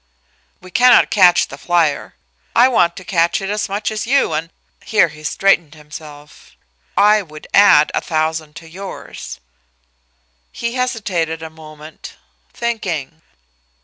"We cannot catch the flyer. I want to catch it as much as you and" here he straightened himself "I would add a thousand to yours." He hesitated a moment thinking.